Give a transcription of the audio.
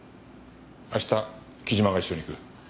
明日木島が一緒に行く。